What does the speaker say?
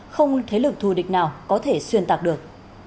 không thế lực thù địch nào có thể xuyên tạc được